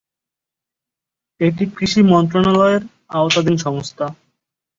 এটি কৃষি মন্ত্রণালয়ের আওতাধীন সংস্থা।